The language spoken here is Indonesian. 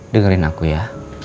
dengerin aku ya